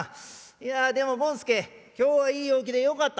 いやでも権助今日はいい陽気でよかった」。